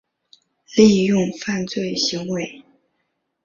利用犯罪行为